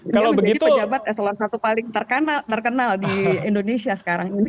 dia menjadi pejabat s satu ratus sebelas paling terkenal di indonesia sekarang ini